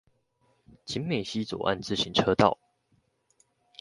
景美溪左岸自行車道